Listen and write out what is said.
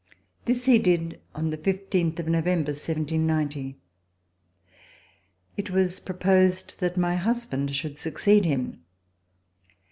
This he did on the fifteenth of November, 1790. It was proposed that my husband should succeed him.